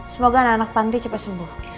semoga anak anak panti cepat sembuh